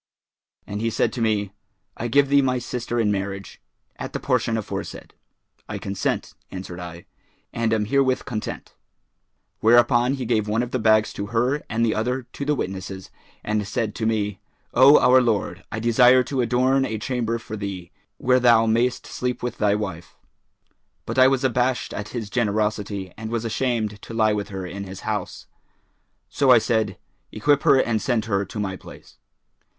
And he said to me, 'I give thee my sister in marriage, at the portion aforesaid.' 'I consent,' answered I, 'and am herewith content.' Whereupon he gave one of the bags to her and the other to the witnesses, and said to me, 'O our lord, I desire to adorn a chamber for thee, where thou mayst sleep with thy wife.' But I was abashed at his generosity and was ashamed to lie with her in his house; so I said, 'Equip her and send her to my place.'